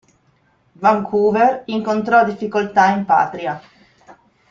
Vancouver incontrò difficoltà in patria.